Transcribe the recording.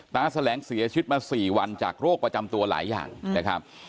แสลงเสียชีวิตมา๔วันจากโรคประจำตัวหลายอย่างนะครับ